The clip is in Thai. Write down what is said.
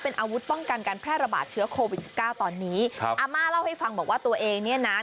เป็นอาวุธป้องกันการแพร่ระบาดเชื้อโควิดสิบเก้าตอนนี้ครับอาม่าเล่าให้ฟังบอกว่าตัวเองเนี่ยนะ